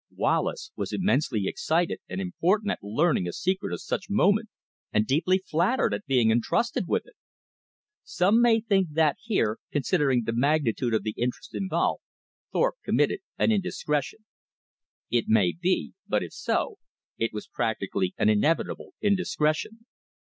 Wallace was immensely excited and important at learning a secret of such moment, and deeply flattered at being entrusted with it. Some may think that here, considering the magnitude of the interests involved, Thorpe committed an indiscretion. It may be; but if so, it was practically an inevitable indiscretion.